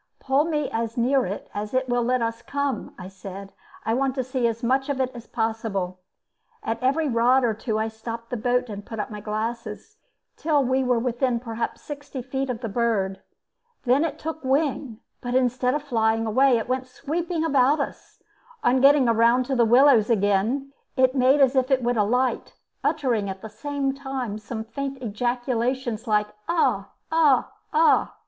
"Pull me as near it as it will let us come," I said. "I want to see as much of it as possible." At every rod or two I stopped the boat and put up my glasses, till we were within perhaps sixty feet of the bird. Then it took wing, but instead of flying away went sweeping about us. On getting round to the willows again it made as if it would alight, uttering at the same time some faint ejaculations, like "ah! ah! ah!"